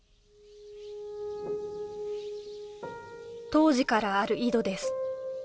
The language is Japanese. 当時からある井戸です